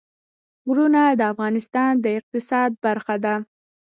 غرونه د افغانستان د اقتصاد برخه ده.